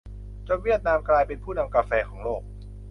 จนเวียดนามกลายเป็นผู้นำกาแฟของโลก